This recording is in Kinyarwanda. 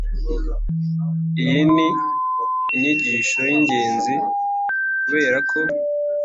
Iyi ni inyigisho y'ingenzi kuberako,